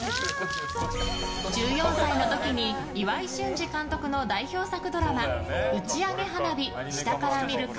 １４歳の時に岩井俊二監督の代表作ドラマ「打ち上げ花火、下から見るか？